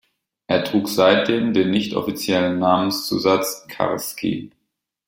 Er trug seitdem den nichtoffiziellen Namenszusatz Karski.